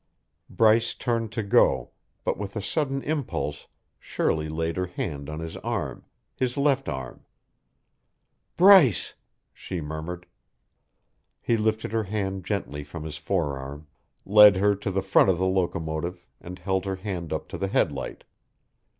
Bryce turned to go, but with a sudden impulse Shirley laid her hand on his arm his left arm. "Bryce!" she murmured. He lifted her hand gently from his forearm, led her to the front of the locomotive, and held her hand up to the headlight.